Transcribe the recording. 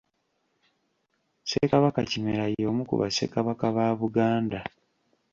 Ssekabaka Kimera y'omu ku Bassekabaka ba Buganda